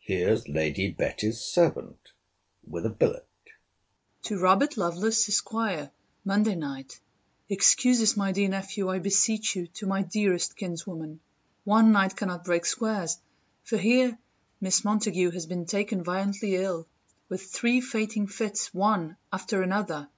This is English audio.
here's Lady Betty's servant, with a billet. TO ROBERT LOVELACE, ESQ. MONDAY NIGHT. Excuse us, my dear Nephew, I beseech you, to my dearest kinswoman. One night cannot break squares: for here Miss Montague has been taken violently ill with three fainting fits, one after another.